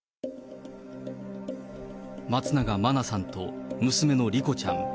松永真菜さんと娘の莉子ちゃん。